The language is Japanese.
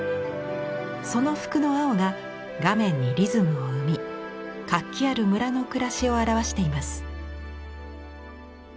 その服の青が画面にリズムを生み活気ある村の暮らしを表しています。